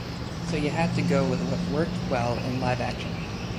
So you had to go with what worked well in live action.